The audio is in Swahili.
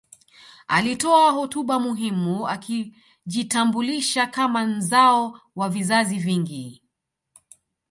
Alitoa hotuba muhimu akijitambulisha kama mzao wa vizazi vingi